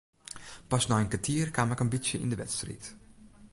Pas nei in kertier kaam ik in bytsje yn de wedstriid.